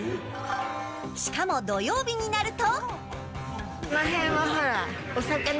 しかも土曜日になると。